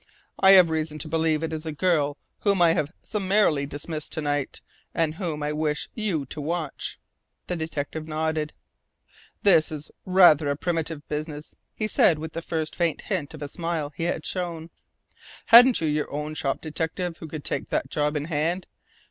"I have reason to believe it is a girl whom I have summarily dismissed to night, and whom I wish you to watch." The detective nodded. "This is rather a primitive business," he said with the first faint hint of a smile he had shown. "Haven't you your own shop detective who could take that job in hand?